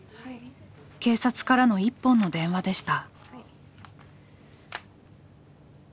警察からの一本の電話でした。